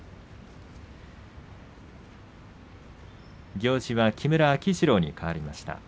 行司は木村秋治郎にかわりました。